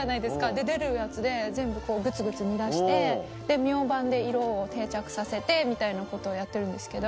で出るやつで全部グツグツ煮出してミョウバンで色を定着させてみたいなことをやってるんですけど。